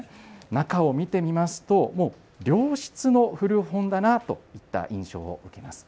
中を見てみますと、もう良質の古本だなといった印象を受けます。